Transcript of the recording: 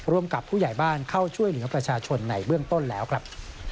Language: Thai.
กับผู้ใหญ่บ้านเข้าช่วยเหลือประชาชนในเบื้องต้นแล้วครับ